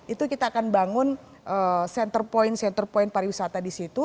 itu kita akan bangun center point pariwisata di situ